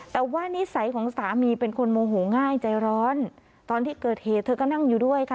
แต่ว่านิสัยของสามีเป็นคนโมโหง่ายใจร้อนตอนที่เกิดเหตุเธอก็นั่งอยู่ด้วยค่ะ